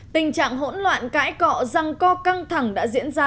tình trạng hỗn loạn cãi cọ răng co căng thẳng đã diễn ra